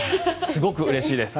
すごくうれしいです。